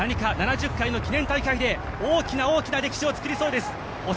７０回の記念大会で大きな歴史を作りそうです。